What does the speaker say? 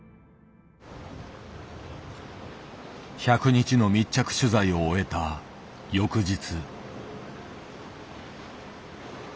１００日の密着取材を終えた翌日。